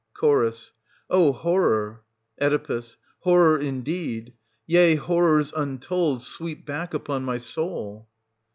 Ch. Oh, horror! Oe. Horror indeed — yea, horrors untold sweep back upon my soul